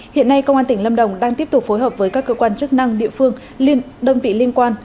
hiện nay công an tỉnh lâm đồng đang tiếp tục phối hợp với các cơ quan chức năng địa phương đơn vị liên quan